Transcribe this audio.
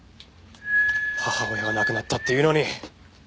母親が亡くなったっていうのに。